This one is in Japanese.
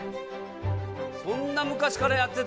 そんな昔からやってたんだね。